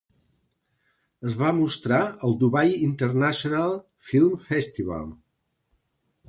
Es va mostrar al Dubai International Film Festival.